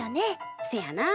せやな。